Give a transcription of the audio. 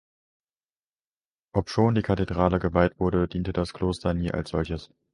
Obschon die Kathedrale geweiht wurde, diente das Kloster nie als solches.